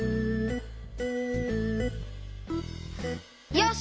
よし！